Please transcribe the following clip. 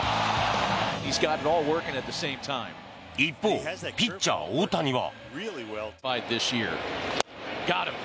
一方ピッチャー、大谷は。